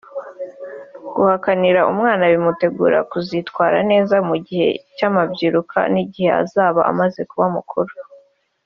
Guhakanira umwana bimutegurira kuzitwara neza mu gihe cy’amabyiruka n’igihe azaba amaze kuba mukuru